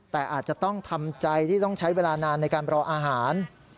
แต่อาจจะต้องทำใจที่ต้องใช้เวลานานในการรออาหาร